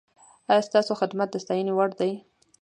ایا ستاسو خدمت د ستاینې وړ دی؟